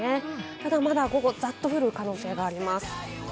ただまだ午後、ザッと降る可能性があります。